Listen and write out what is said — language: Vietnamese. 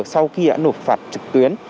sau khi đã nộp phạt trực tuyến